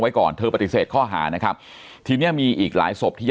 ไว้ก่อนเธอปฏิเสธข้อหานะครับทีเนี้ยมีอีกหลายศพที่ย